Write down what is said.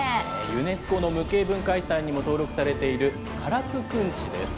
ユネスコの無形文化遺産にも登録されている唐津くんちです。